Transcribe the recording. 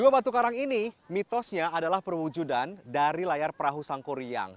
untuk batu karang ini mitosnya adalah perwujudan dari layar perahu sangko riang